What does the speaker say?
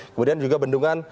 kemudian juga bendungan